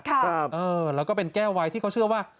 ครับเออแล้วก็เป็นแก้วไว้ที่เขาเชื่อว่า